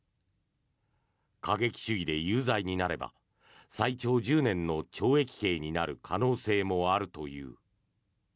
過激主義で有罪になれば最長１０年の懲役刑になる可能性もあるという。